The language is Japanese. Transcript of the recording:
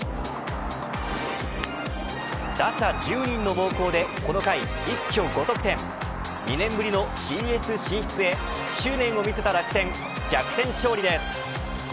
打者１０人の猛攻でこの回一挙５得点２年ぶりのＣＳ進出へ執念を見せた楽天逆転勝利です。